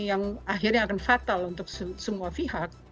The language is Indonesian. yang akhirnya akan fatal untuk semua pihak